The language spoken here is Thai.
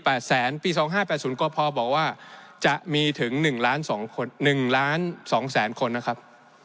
ปี๒๕๘๐ก่อนพอบอกว่าจะมีถึง๑๒๐๐ล้านคนนะครับ